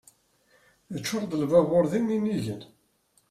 Iččur-d lbabur d iminigen.